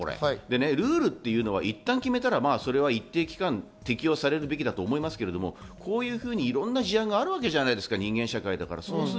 ルールっていうのはいったん決めたら一定期間、適用されるべきだと思いますけど、こういうふうにいろんな事案があるわけじゃないですか、人間社会だから。